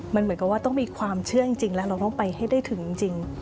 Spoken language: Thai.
มันเหมือนกับว่าต้องมีความเชื่อจริงแล้วเราต้องไปให้ได้ถึงจริง